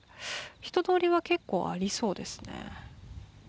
人通りは結構ありそうですね。